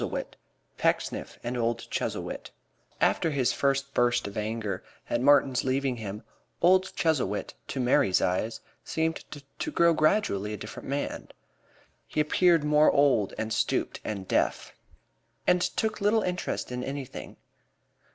II PECKSNIFF AND OLD CHUZZLEWIT After his first burst of anger at Martin's leaving him, old Chuzzlewit, to Mary's eyes, seemed to grow gradually a different man. He appeared more old and stooped and deaf, and took little interest in anything.